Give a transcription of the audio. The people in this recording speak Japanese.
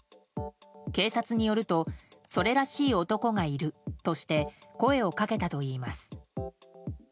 警察によるとそれらしい男がいるとして声をかけたといいます。